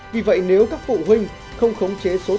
vì vậy nếu các phụ huynh không khống chế số tiền có trong thẻ